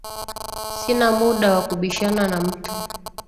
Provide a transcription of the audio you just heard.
Sina muda wa kubishana na mtu